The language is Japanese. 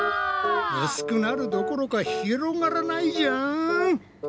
薄くなるどころか広がらないじゃん！